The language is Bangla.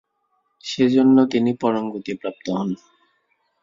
সেই জন্য তিনি পরম গতি প্রাপ্ত হন।